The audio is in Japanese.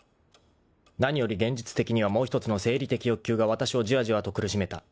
［何より現実的にはもう一つの生理的欲求がわたしをじわじわと苦しめた］